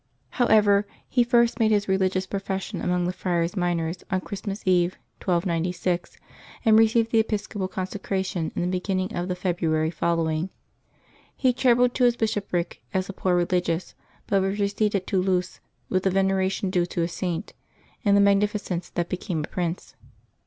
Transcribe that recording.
However, he first made his religious profession among the Friar Minors on Christmas eve, 1296, and received the episcopal consecration in the beginning of the February following. He travelled to his bishopric as a poor religious, but was received at Toulouse with the veneration due to a Saint and the magnificence that be came a prince.